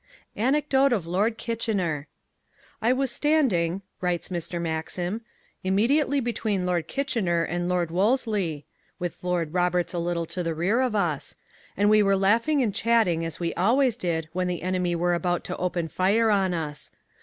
ANECDOTE OF LORD KITCHENER "I was standing," writes Mr. Maxim, "immediately between Lord Kitchener and Lord Wolsley (with Lord Roberts a little to the rear of us), and we were laughing and chatting as we always did when the enemy were about to open fire on us.